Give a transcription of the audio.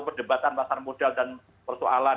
perdebatan pasar modal dan persoalan